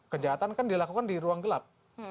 kejahatan kan dilakukan di ruang gelap